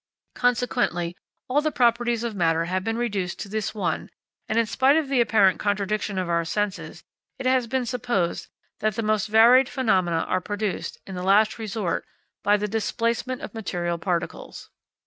Consequently all the properties of matter have been reduced to this one, and in spite of the apparent contradiction of our senses, it has been supposed that the most varied phenomena are produced, in the last resort, by the displacement of material particles.